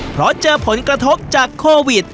เพราะเจอผลกระทบจากโควิด